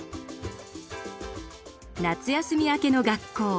夏休み明けの学校。